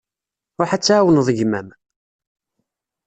Ruḥ ad tɛawneḍ gma-m.